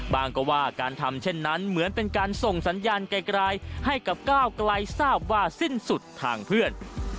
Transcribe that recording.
ก็ว่าการทำเช่นนั้นเหมือนเป็นการส่งสัญญาณไกลให้กับก้าวไกลทราบว่าสิ้นสุดทางเพื่อน